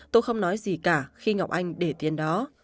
tôi không nói gì cả khi ngọc anh để tiền đó